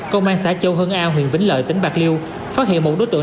công an xã châu hưng a huyện vĩnh lợi tỉnh bạc liêu phát hiện một đối tượng